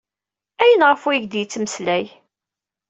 Ayen ɣef wayeg d-yettmeslay.